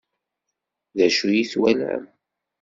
D acu i twalam?